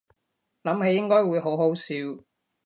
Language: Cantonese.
諗起應該會好好笑